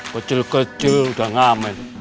kecil kecil udah ngamen